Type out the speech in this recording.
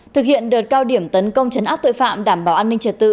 thực hiện đợt cao điểm tấn công chấn áp tội phạm đảm bảo an ninh trật tự